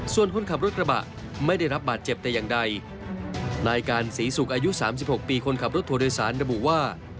ส่วนคนขับรถกระบะไม่ได้รับบาดเจ็บแต่อย่างใดนายการศรีศุกร์อายุสามสิบหกปีคนขับรถทัวร์โดยสารระบุว่า